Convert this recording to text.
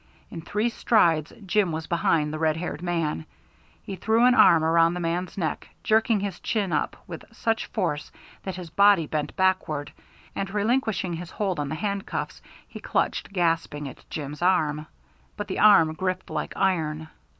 In three strides Jim was behind the red haired man. He threw an arm around the man's neck, jerking his chin up with such force that his body bent backward, and relinquishing his hold on the handcuffs he clutched, gasping, at Jim's arm. But the arm gripped like iron.